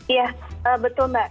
iya betul mbak